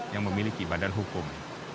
yang memiliki badan hukum